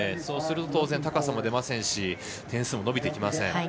そうすると高さも出ませんし点数も伸びません。